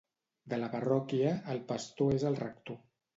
De la parròquia, el pastor és el rector.